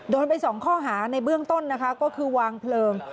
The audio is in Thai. โดนไป๒ข้อหาในเบื้องต้นนะคะก็คือวางเพลิง